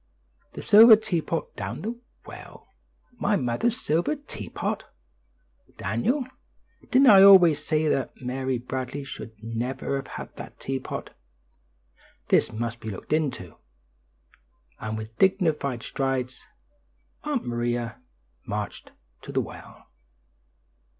"The silver teapot down the well; my mother's silver teapot! Daniel, didn't I always say that Mary Bradley should never have had that teapot? This must be looked into." And with dignified strides Aunt Maria marched to the well.